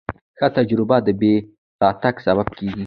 ښه تجربه د بیا راتګ سبب کېږي.